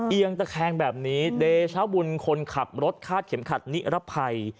เอียงตะแคงแบบนี้เดชาบุญคนขับรถคาดเข็มขัดนิรภัย